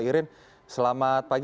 irin selamat pagi